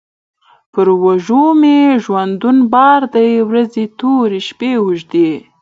پر اوږو مي ژوندون بار دی ورځي توري، شپې اوږدې